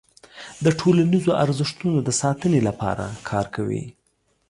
د ټولنیزو ارزښتونو د ساتنې لپاره کار کوي.